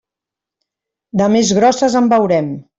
De més grosses en veurem.